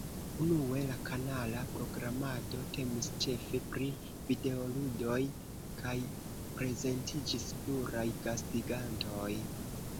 Unue, la kanala programado temis ĉefe pri videoludoj kaj prezentiĝis pluraj gastigantoj.